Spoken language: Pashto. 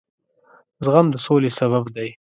زغم د سولې سبب دی.